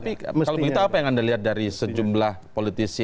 tapi kalau begitu apa yang anda lihat dari sejumlah politisi